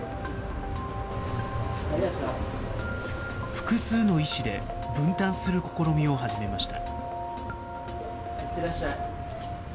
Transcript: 複数の医師で分担する試みを始めました。